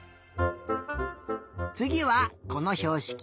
つぎはこのひょうしき。